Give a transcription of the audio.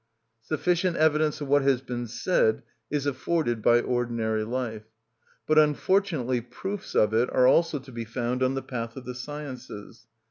_" Sufficient evidence of what has been said is afforded by ordinary life. But unfortunately proofs of it are also to be found on the path of the sciences.